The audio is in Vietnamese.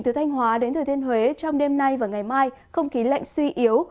từ thanh hóa đến thừa thiên huế trong đêm nay và ngày mai không khí lạnh suy yếu